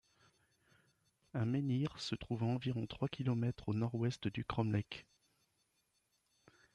Un menhir se trouve à environ trois kilomètres au nord-ouest du cromlech.